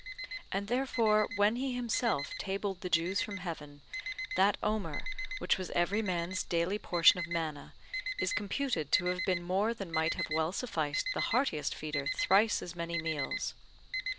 And therefore when he himself tabled the Jews from heaven, that omer, which was every man's daily portion of manna, is computed to have been more than might have well sufficed the heartiest feeder thrice as many meals.